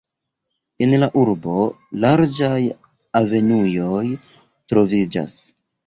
En la urbo larĝaj avenuoj troviĝas.